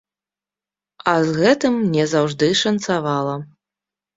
А з гэтым мне заўжды шанцавала.